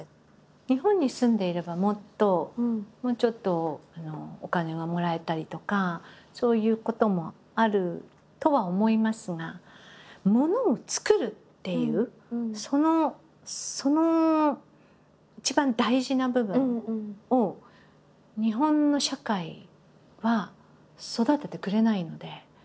日本に住んでいればもっともうちょっとお金がもらえたりとかそういうこともあるとは思いますがものを作るっていうその一番大事な部分を日本の社会は育ててくれないので。